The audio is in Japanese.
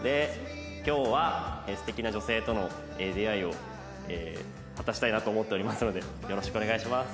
今日は素敵な女性との出会いを果たしたいなと思っておりますのでよろしくお願いします。